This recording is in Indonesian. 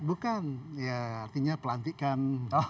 bukan ya artinya pelantikan